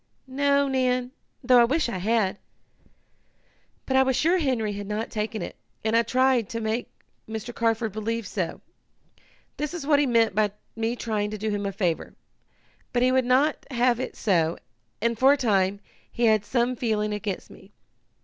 "No, Nan, though I wish I had. But I was sure Henry had not taken it, and I tried to make Mr. Carford believe so. That is what he meant by me trying to do him a favor. But he would not have it so, and, for a time, he had some feeling against me.